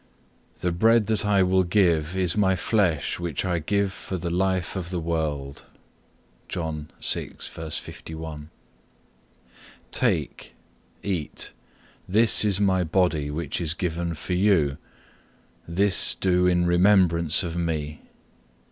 The bread that I will give is My flesh which I give for the life of the world.(2) Take, eat: this is My Body, which is given for you; this do in remembrance of Me.